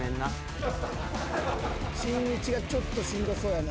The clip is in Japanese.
しんいちがちょっとしんどそうやな。